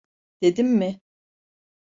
Dedim mi?